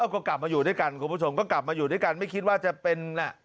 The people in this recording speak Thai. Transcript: ก็กลับมาอยู่ด้วยกันคุณผู้ชมก็กลับมาอยู่ด้วยกันไม่คิดว่าจะเป็นแหละ